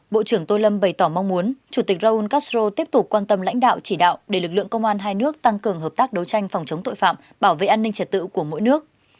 bộ trưởng tô lâm bày tỏ mong muốn chủ tịch raúl castro tiếp tục quan tâm lãnh đạo chỉ đạo để lực lượng công an hai nước tăng cường hợp tác đấu tranh phòng chống tội phạm bảo vệ an ninh trật tự của mỗi nước